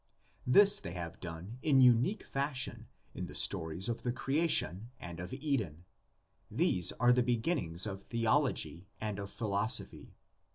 This they have done in unique fashion in the stories of the creation and of Eden: these are the begin nings of theology and of philosophy.